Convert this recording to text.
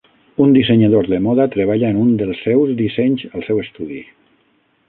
Un dissenyador de moda treballa en un dels seus dissenys al seu estudi.